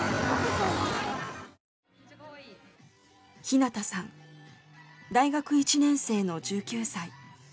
ひなたさん大学１年生の１９歳。